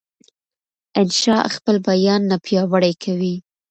انشا خپل بیان نه پیاوړی کوي.